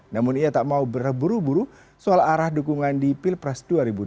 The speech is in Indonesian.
namun ia tak mau berburu buru soal arah dukungan di pilpres dua ribu dua puluh